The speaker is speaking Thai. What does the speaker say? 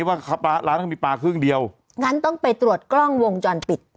ว่าร้านเขามีปลาครึ่งเดียวงั้นต้องไปตรวจกล้องวงจรปิด